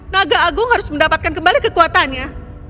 naga agung harus mendapatkan kembali kekuatannya